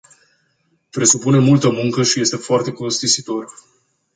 Presupune multă muncă și este foarte costisitor.